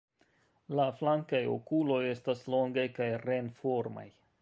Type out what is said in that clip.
La flankaj okuloj estas longaj kaj ren-formaj.